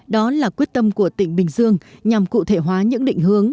đó là quyết tâm của tỉnh bình dương nhằm cụ thể hóa những định hướng